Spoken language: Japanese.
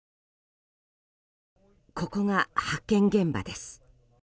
ここが発見現場です。